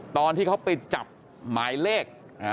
ตอนที่เขาไปจับหมายเลข